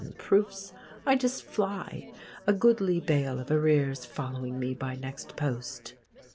and proofs, I just fly—a goodly bale of arrears following me by next post.